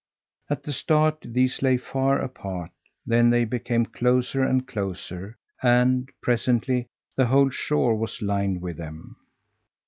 At the start these lay far apart, then they became closer and closer, and, presently, the whole shore was lined with them.